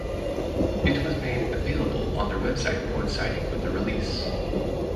It was made available on their website coinciding with the release.